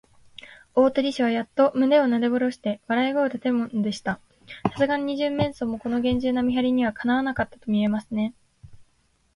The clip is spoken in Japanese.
大鳥氏はやっと胸をなでおろして、笑い声をたてるのでした。さすがの二十面相も、このげんじゅうな見はりには、かなわなかったとみえますね。